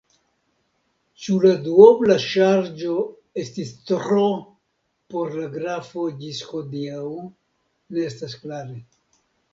Ĉu la duobla ŝarĝo estis tro por la grafo ĝis hodiaŭ ne estas klare.